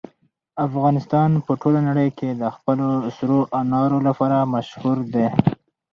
افغانستان په ټوله نړۍ کې د خپلو سرو انارو لپاره مشهور دی.